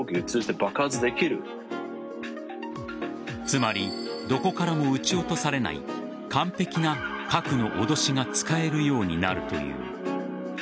つまりどこからも撃ち落とされない完璧な核の脅しが使えるようになるという。